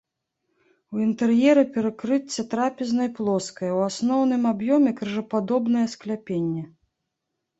У інтэр'еры перакрыцце трапезнай плоскае, у асноўным аб'ёме крыжападобнае скляпенне.